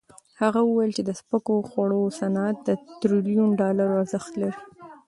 هغه وویل د سپکو خوړو صنعت د ټریلیون ډالرو ارزښت لري.